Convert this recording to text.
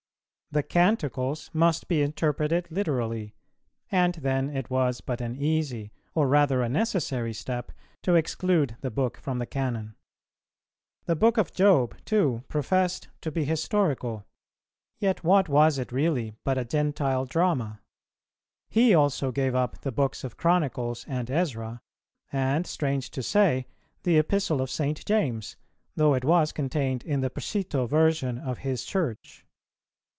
The Canticles must be interpreted literally; and then it was but an easy, or rather a necessary step, to exclude the book from the Canon. The book of Job too professed to be historical; yet what was it really but a Gentile drama? He also gave up the books of Chronicles and Ezra, and, strange to say, the Epistle of St. James, though it was contained in the Peschito Version of his Church.